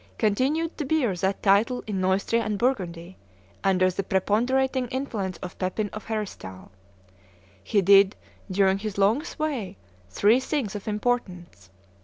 continued to bear that title in Neustria and Burgundy, under the preponderating influence of Pepin of Heristal. He did, during his long sway, three things of importance.